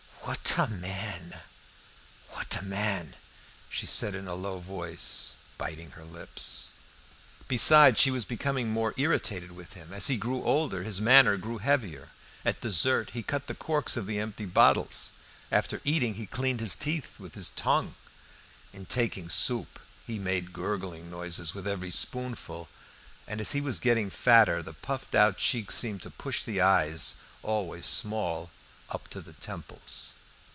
"What a man! What a man!" she said in a low voice, biting her lips. Besides, she was becoming more irritated with him. As he grew older his manner grew heavier; at dessert he cut the corks of the empty bottles; after eating he cleaned his teeth with his tongue; in taking soup he made a gurgling noise with every spoonful; and, as he was getting fatter, the puffed out cheeks seemed to push the eyes, always small, up to the temples.